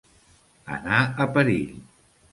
Anar a perill.